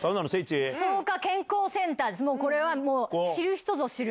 これは知る人ぞ知る。